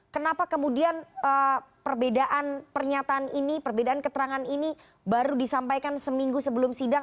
kenapa kemudian perbedaan pernyataan ini perbedaan keterangan ini baru disampaikan seminggu sebelum sidang